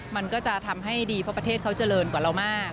มันก็จะทำให้ดีเพราะประเทศเขาเจริญกว่าเรามาก